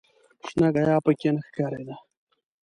شنه ګیاه په کې نه ښکارېده.